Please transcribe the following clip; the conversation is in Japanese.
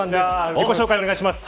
自己紹介をお願いします。